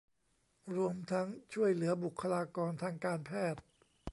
รวมทั้งช่วยเหลือบุคคลากรทางการแพทย์